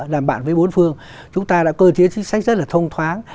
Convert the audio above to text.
làm bạn với bốn phương chúng ta đã cơ chế chính sách rất là thông thoáng